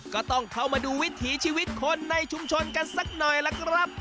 ก็ต้องเข้ามาดูวิถีชีวิตคนในชุมชนกันสักหน่อยล่ะครับ